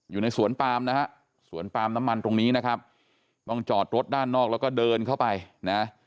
อยู่ในสวนปามนะฮะสวนปามน้ำมันตรงนี้นะครับต้องจอดรถด้านนอกแล้วก็เดินเข้าไปนะ